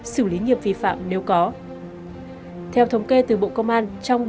xử lý nghiệp vi phạm nếu có